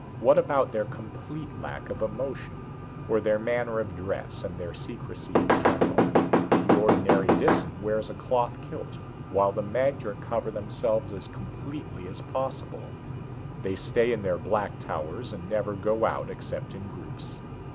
What about their complete lack of emotion? Or their manner of dress and their secrecy in general? The ordinary Disan wears a cloth kilt, while the magter cover themselves as completely as possible. They stay in their black towers and never go out except in groups.